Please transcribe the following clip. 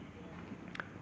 masyarakat bisa memahami